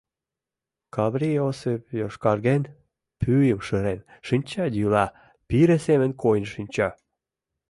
Каврий Осып йошкарген, пӱйым шырен, шинча йӱла, пире семын койын шинча.